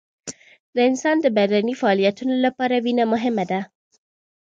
د انسان د بدني فعالیتونو لپاره وینه مهمه ده